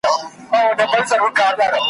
داببر ببر لاسونه ,